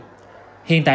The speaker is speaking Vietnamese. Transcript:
bảo tính minh châu